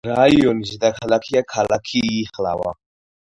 რაიონის დედაქალაქია ქალაქი იიჰლავა.